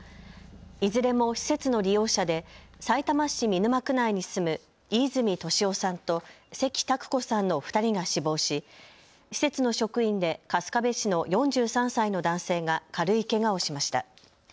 いずれも施設の利用者でさいたま市見沼区内に住む飯泉利夫さんと関拓子さんの２人が死亡し施設の職員で春日部市の４３歳の男性が軽いけがをしました。